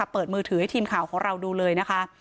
เปิดมือถือให้ทีมข่าวของเราดูเลยนะคะ